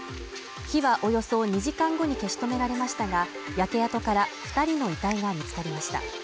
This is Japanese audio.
火はおよそ２時間後に消し止められましたが、焼け跡から２人の遺体が見つかりました。